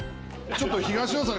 ちょっと東野さん